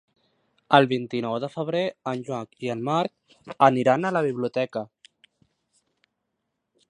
El vint-i-nou de febrer en Joan i en Marc aniran a la biblioteca.